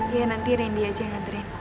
ya nanti rendy aja yang anterin